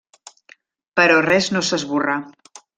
Però res no s'esborrà.